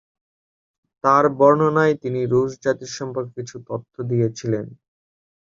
তার বর্ণনায় তিনি রুশ জাতি সম্পর্কে কিছু তথ্য দিয়েছিলেন।